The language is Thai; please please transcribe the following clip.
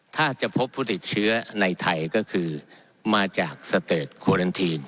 ถ้าจะพบผู้ติดเชื้อในไทยก็คือมาจากสเติร์ดโครันทีน